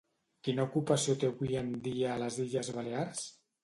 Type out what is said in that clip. Quina ocupació té avui en dia a les Illes Balears?